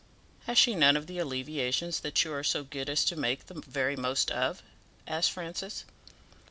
"Has she none of the alleviations that you are so good as to make the very most of?" asked Francis.